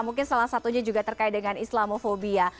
mungkin salah satunya juga terkait dengan islamofobia